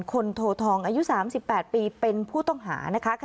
คนโททองอายุสามสิบแปดปีเป็นผู้ต้องหานะคะ